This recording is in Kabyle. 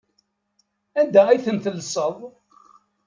Anda ay ten-tellseḍ?